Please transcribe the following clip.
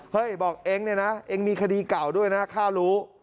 บอกเองเนี่ยนะเองมีคดีเก่าด้วยนะค่ารู้